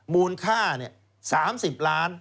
มูลค่า๓๐ล้าน